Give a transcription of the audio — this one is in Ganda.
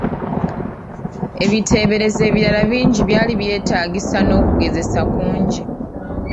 Ebiteeberezo ebirala bingi byali byetaagisa n’okugezesa kungi.